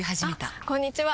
あこんにちは！